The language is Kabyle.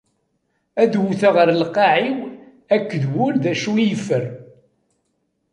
Ad wwteɣ ar leɛqel-iw akked wul d acu i yeffer.